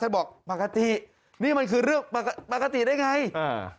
บอกปกตินี่มันคือเรื่องปกติได้ไงอ่า